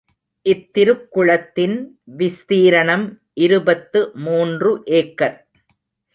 இத் திருக்குளத்தின் விஸ்தீரணம் இருபத்து மூன்று ஏக்கர்.